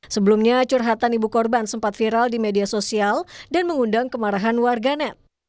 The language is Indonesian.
sebelumnya curhatan ibu korban sempat viral di media sosial dan mengundang kemarahan warganet